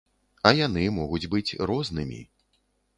А яны могуць быць рознымі.